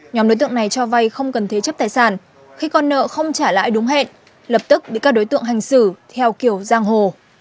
nhóm đối tượng này cho vay không cần thế chấp tài sản khi con nợ không trả lại đúng hẹn lập tức bị các đối tượng hành xử theo kiểu giang hồ